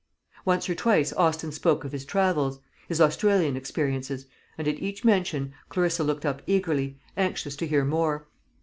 Once or twice Austin spoke of his travels, his Australian experiences; and at each mention, Clarissa looked up eagerly, anxious to hear more.